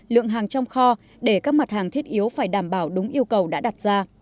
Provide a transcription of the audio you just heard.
lượng hàng trong kho để các mặt hàng thiết yếu phải đảm bảo đúng yêu cầu đã đặt ra